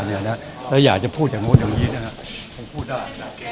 แล้วอยากจะพูดถึงผมถึงที่นี่